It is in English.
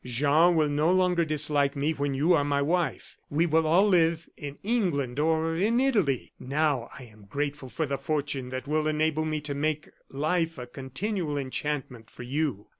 Jean will no longer dislike me when you are my wife. We will all live in England or in Italy. Now I am grateful for the fortune that will enable me to make life a continual enchantment for you.